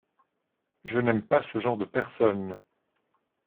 Je n’aime pas ce genre de personnes.